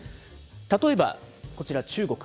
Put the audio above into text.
例えばこちら中国。